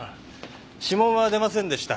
指紋は出ませんでした。